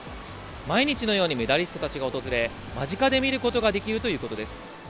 毎日のようにメダリストたちが訪れ、間近で見ることができるということです。